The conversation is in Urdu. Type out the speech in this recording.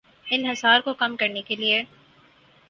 انحصار کو کم کرنے کے لیے